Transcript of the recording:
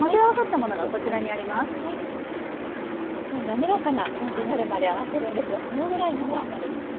滑らかな感じになるまで合わせるんですがこのぐらい滑らかになります。